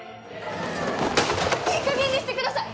いいかげんにしてください！